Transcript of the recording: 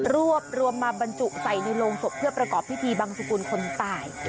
รวบรวมมาบรรจุใส่ในโรงศพเพื่อประกอบพิธีบังสุกุลคนตาย